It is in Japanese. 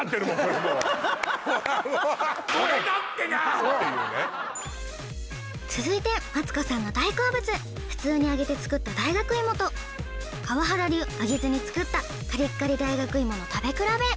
今っていうね続いてマツコさんの大好物普通に揚げて作った大学芋と川原流揚げずに作ったカリカリ大学芋の食べ比べ